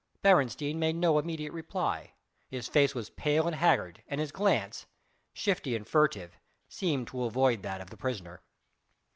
Beresteyn made no immediate reply, his face was pale and haggard, and his glance shifty and furtive seemed to avoid that of the prisoner.